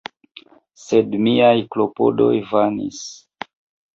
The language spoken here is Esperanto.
Sed miaj klopodoj vanis.